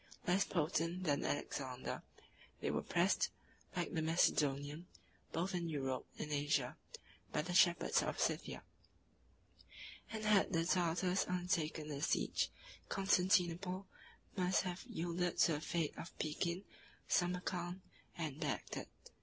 Less potent than Alexander, they were pressed, like the Macedonian, both in Europe and Asia, by the shepherds of Scythia; and had the Tartars undertaken the siege, Constantinople must have yielded to the fate of Pekin, Samarcand, and Bagdad.